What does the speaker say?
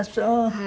はい。